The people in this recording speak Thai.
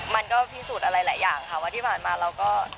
มันก็พิสูจน์อะไรหลายอย่างค่ะว่าที่ผ่านมาเราก็